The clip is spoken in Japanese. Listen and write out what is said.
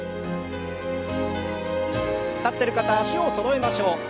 立ってる方は脚をそろえましょう。